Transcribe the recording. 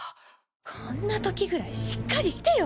こんな時ぐらいしっかりしてよ！！